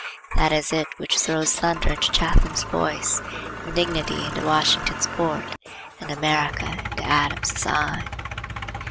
That is it which throws thunder into Chatham's voice, and dignity into Washington's port, and America into Adams's eye.